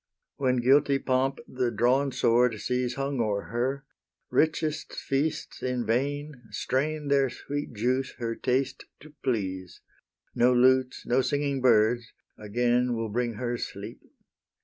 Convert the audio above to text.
When guilty Pomp the drawn sword sees Hung o'er her, richest feasts in vain Strain their sweet juice her taste to please; No lutes, no singing birds again Will bring her sleep.